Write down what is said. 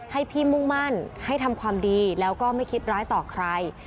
ให้พี่มุ่งมั่นให้ทำความดีแล้วก็ไม่คิดร้ายต่อใคร